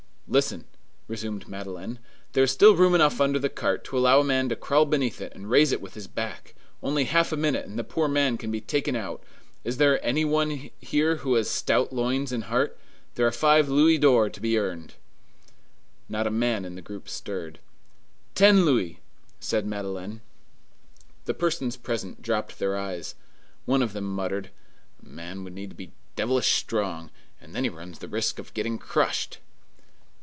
"Listen," resumed Madeleine; "there is still room enough under the cart to allow a man to crawl beneath it and raise it with his back. Only half a minute, and the poor man can be taken out. Is there any one here who has stout loins and heart? There are five louis d'or to be earned!" Not a man in the group stirred. "Ten louis," said Madeleine. The persons present dropped their eyes. One of them muttered: "A man would need to be devilish strong. And then he runs the risk of getting crushed!"